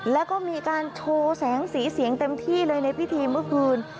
แล้วก็มีการโชว์แสงสีเสียงเต็มที่เลยในพิธีเมื่อคืน